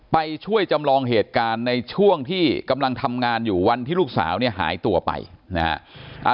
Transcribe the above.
ไปช่วยจำลองเหตุการณ์ในช่วงที่กำลังทำงานอยู่วันที่ลูกสาวเนี่ยหายตัวไปนะฮะ